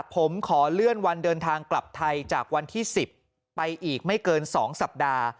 ผมขอเลื่อนวันเดินทางกลับไทยจากวันที่๑๐ไปอีกไม่เกิน๒สัปดาห์